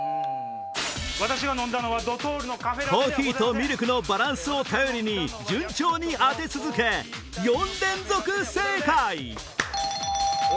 コーヒーとミルクのバランスを頼りに順調に当て続け４連続正解